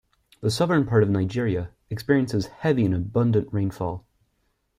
The southern part of Nigeria experiences heavy and abundant rainfall.